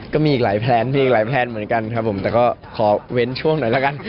ก็มีอีกหลายแพลนเพลงอีกหลายแพลนเหมือนกันครับผมแต่ก็ขอเว้นช่วงหน่อยละกัน